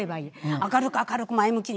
明るく明るく前向きに。